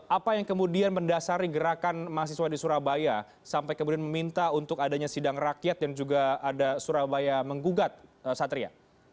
apa yang kemudian mendasari gerakan mahasiswa di surabaya sampai kemudian meminta untuk adanya sidang rakyat dan juga ada surabaya menggugat satria